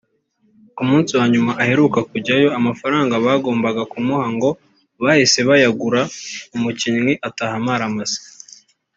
Ku munsi wa nyuma aheruka kujyayo amafaranga bagombaga kumuha ngo bahise bayagura umukinnyi ataha amaramasa